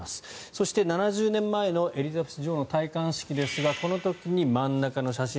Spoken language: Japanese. そして、７０年前のエリザベス女王の戴冠式ですがこの時に真ん中の写真